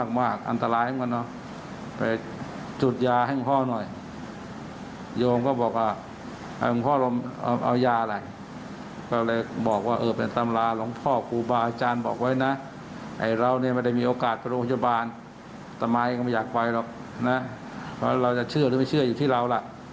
ใครก็ไม่อยากไปหรอกแล้วเราจะเชื่อหรือไม่เชื่ออยู่ที่เราแหละ